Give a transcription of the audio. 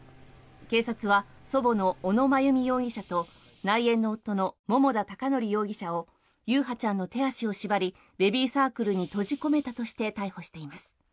警察は祖母の小野真由美容疑者と内縁の夫の桃田貴徳容疑者を優陽ちゃんの手足を縛りベビーサークルに閉じ込めたとして逮捕しています。